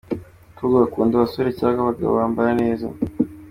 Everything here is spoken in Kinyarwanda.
Abakobwa bakunda abasore cyangwa abagabo bambara neza.